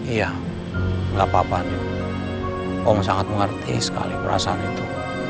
iya nggak apa apa om sangat mengerti sekali perasaan itu